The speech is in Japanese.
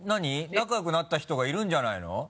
仲良くなった人がいるんじゃないの？